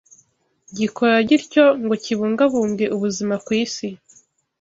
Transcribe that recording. gikora gityo ngo kibungabunge ubuzima ku isi